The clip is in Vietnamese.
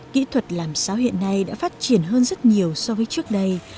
kỹ thuật làm xáo hiện nay đã phát triển hơn rất nhiều so với trước đây